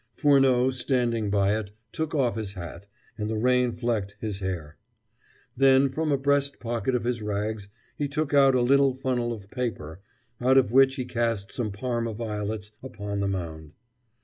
Furneaux, standing by it, took off his hat, and the rain flecked his hair. Then from a breast pocket of his rags he took out a little funnel of paper, out of which he cast some Parma violets upon the mound.